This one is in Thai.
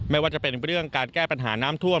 ไม่ว่าจะเป็นเรื่องการแก้ปัญหาน้ำท่วม